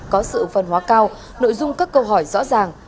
có sự phân hóa cao nội dung các câu hỏi rõ ràng